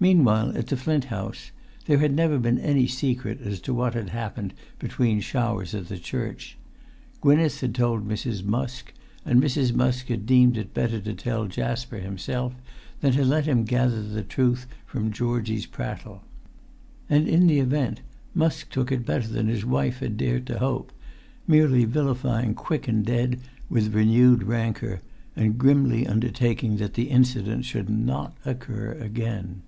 Meanwhile, at the Flint House, there had never been any secret as to what had happened between showers at the church. Gwynneth had told Mrs. Musk, and Mrs. Musk had deemed it better to tell Jasper himself than to let him gather the truth from Georgie's prattle. And in the event Musk took it better than his wife had dared to hope, merely vilifying quick and dead with renewed rancour, and grimly undertaking that the incident should not occur again.